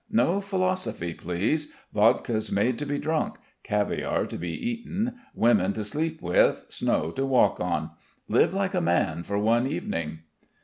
No philosophy, please. Vodka's made to be drunk, caviare to be eaten, women to sleep with, snow to walk on. Live like a man for one evening."